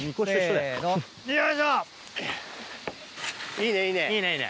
いいねいいね。